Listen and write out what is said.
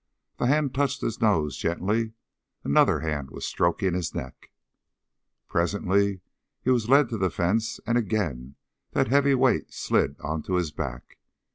The hand touched his nose gently; another hand was stroking his neck. Presently he was led to the fence and again that heavy weight slid onto his back.